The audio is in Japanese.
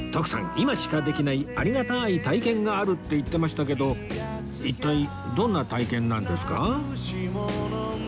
今しかできないありがたい体験があるって言ってましたけど一体どんな体験なんですか？